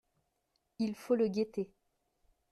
Il faut le guetter.